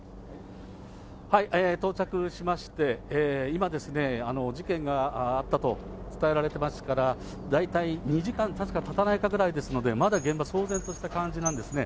到着しまして、今、事件があったと伝えられてますから、大体２時間たつかたたないかですので、まだ現場、騒然とした感じなんですね。